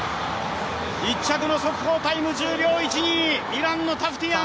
１着の速報１０秒１２、イランのタフティアン。